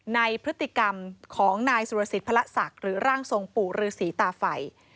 ในพฤติกรรมของนายสุรสิทธิพระศักดิ์หรือร่างทรงปู่ฤษีตาไฟ